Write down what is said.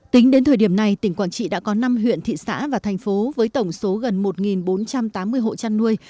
tính đến thời điểm này tỉnh quảng trị đã có năm huyện thị xã và thành phố với tổng số gần một bốn trăm tám mươi hộ chăn nuôi